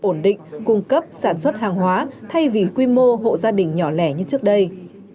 ổn định cung cấp sản xuất hàng hóa thay vì quy mô hộ gia đình nhỏ lẻ như trước đây